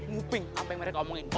nguping apa yang mereka omongin oke